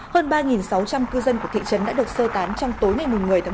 hơn ba sáu trăm linh cư dân của thị trấn đã được sơ tán trong tối ngày một mươi một